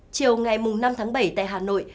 chiều ngày năm tháng bảy tại hà nội